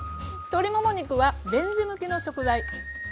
鶏もも肉はレンジ向きの食材。